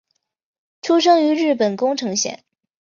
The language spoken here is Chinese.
出生于日本宫城县。